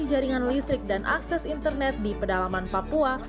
jaringan listrik dan akses internet di pedalaman papua